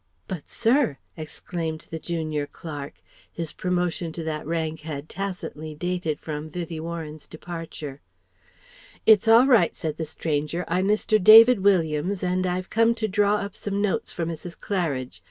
"But, sir!..." exclaimed the junior clerk (his promotion to that rank had tacitly dated from Vivie Warren's departure). "It's all right," said the stranger. "I'm Mr. David Williams and I've come to draw up some notes for Mrs. Claridge.